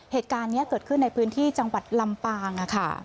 เหตุการณ์นี้เกิดขึ้นในพื้นที่จังหวัดลำปางค่ะ